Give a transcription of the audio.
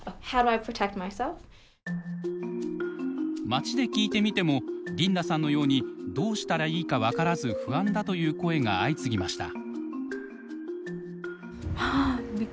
街で聞いてみてもリンダさんのようにどうしたらいいか分からず不安だという声が相次ぎました。